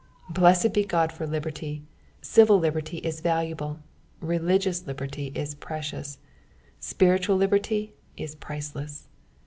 Blessed be God for liberty ; civil liberty is valuable, religious liberty is precious, spiritual liberty is priceless.